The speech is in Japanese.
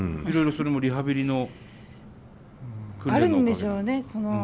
いろいろそれもリハビリの訓練のおかげ？あるんでしょうね。